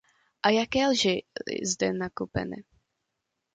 A jaké lži zde nakupeny!